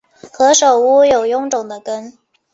何首乌有臃肿的根